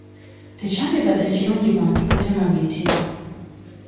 Tekyandibadde kirungi bantu kutema miti.